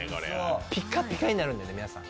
ピカピカになるんでね、皆さん。